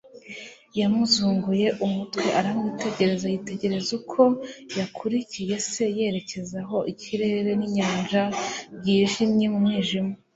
Yamuzunguye umutwe aramwitegereza, yitegereza uko yakurikiye se yerekeza aho ikirere n'inyanja byijimye mu mwijima.